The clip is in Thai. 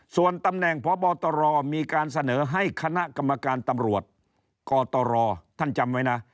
ส่วนตำแหน่งพบตรมีการเสนอให้คณะกรรมการตำรวจกตรท่านจำไว้นะ